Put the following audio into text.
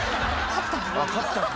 「勝ったの？」